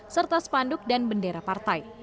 serta spanduk dan bendera partai